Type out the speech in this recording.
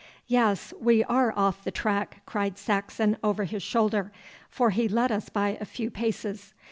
'Yes, we are off the track,' cried Saxon over his shoulder for he led us by a few paces.